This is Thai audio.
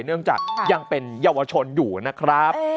เนื่องจากยังเป็นเยาวชนอยู่นะครับ